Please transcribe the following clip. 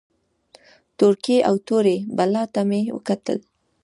تورکي او تورې بلا ته مې وکتل.